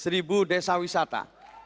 seribu desa wisata